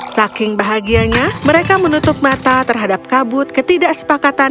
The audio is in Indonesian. saking bahagianya mereka menutup mata terhadap kabut ketidaksepakatan